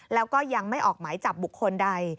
แล้วก็ยังไม่ออกหมายจับบุคคลใด